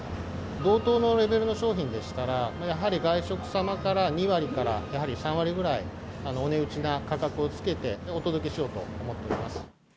同等のレベルの商品でしたら、やはり外食様から２割からやはり３割ぐらい、お値打ちな価格をつけてお届けしようと思っています。